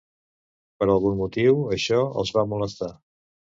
Per algun motiu, això els va molestar.